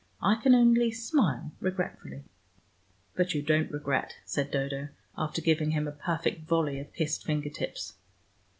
I can only smile regretfully." "But you don't regret," said Dodo, after giving him a perfect volley of kissed finger tips.